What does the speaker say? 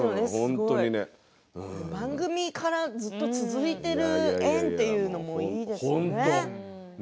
番組からずっと続いている縁というのもいいですね。